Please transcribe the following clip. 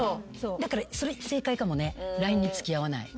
だからそれ正解かもねＬＩＮＥに付き合わない。